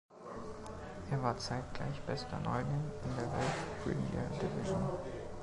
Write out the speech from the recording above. Er war zeitgleich bester Neuling in der Welsh Premier Division.